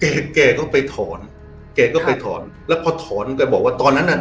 แกแกก็ไปถอนแกก็ไปถอนแล้วพอถอนแกบอกว่าตอนนั้นน่ะ